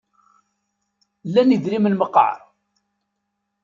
Lan idrimen meqqar?